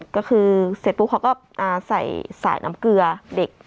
ก็คือเสร็จปุ๊บเขาก็ใส่สายน้ำเกลือเด็ก